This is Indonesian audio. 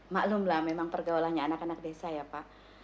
maklumlah memang pergaulannya anak anak desa ya pak